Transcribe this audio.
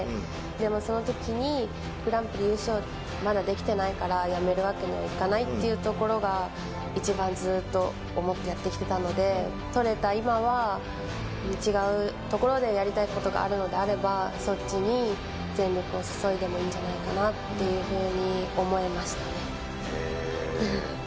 でもそのときに、グランプリ優勝まだできてないから、辞めるわけにはいかないっていうところが一番ずっと思ってやってきたので、取れた今は、違うところでやりたいことがあるのであれば、そっちに全力を注いでもいいんじゃないかなっていうふうに思えまへぇー。